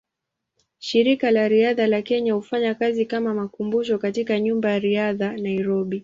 Shirika la Riadha la Kenya hufanya kazi kama makumbusho katika Nyumba ya Riadha, Nairobi.